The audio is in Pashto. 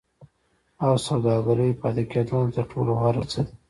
او سوداګرۍ پاتې کېدل تر ټولو غوره څه دي.